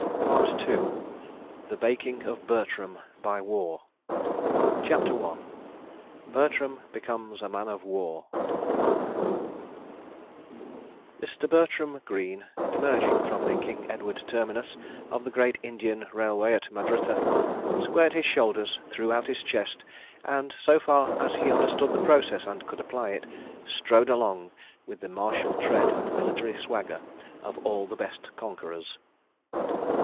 PART II THE BAKING OF BERTRAM BY WAR CHAPTER I Bertram Becomes a Man of War Mr. Bertram Greene, emerging from the King Edward Terminus of the Great Indian Railway at Madrutta, squared his shoulders, threw out his chest, and, so far as he understood the process and could apply it, strode along with the martial tread and military swagger of all the Best Conquerors.